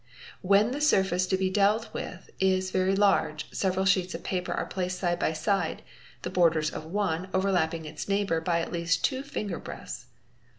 if When the surface to be dealt with is very large, several sheets of paper are placed side by side, the borders of one overlapping its neighbour by at least two finger breadths.